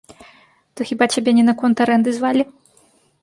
То хіба цябе не наконт арэнды звалі?